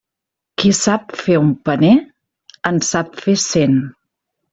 Qui sap fer un paner, en sap fer cent.